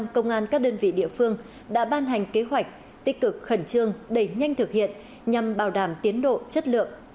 một trăm linh công an các đơn vị địa phương đã ban hành kế hoạch tích cực khẩn trương đẩy nhanh thực hiện nhằm bảo đảm tiến độ chất lượng